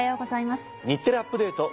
『日テレアップＤａｔｅ！』